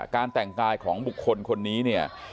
การแต่งกายของบุคคลคนนี้เนี่ย